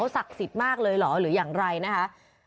เขาศักดิ์สิทธิ์มากเลยเหรอหรืออย่างไรนะคะ